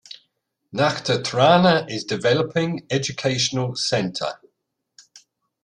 Nakhatrana is developing educational centre.